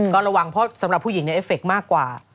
ก่อนระวังเพราะสำหรับผู้หญิงเนี่ยเอฟเฟกต์มากกว่า